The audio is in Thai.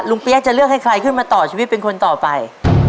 เปี๊ยกจะเลือกให้ใครขึ้นมาต่อชีวิตเป็นคนต่อไป